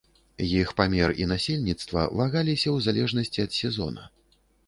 Іх памер і насельніцтва вагаліся ў залежнасці ад сезона.